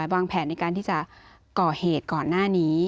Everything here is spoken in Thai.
วางแผนในการที่จะก่อเหตุก่อนหน้านี้